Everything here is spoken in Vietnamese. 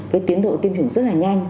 cái tiến đội tiêm chủng rất là nhanh